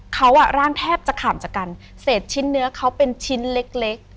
เขาอ่ะร่างแทบจะข่ำจากกันเศษชิ้นเนื้อเขาเป็นชิ้นเล็กเล็ก